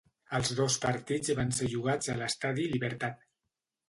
Els dos partits van ser jugats a l'Estadi Libertad.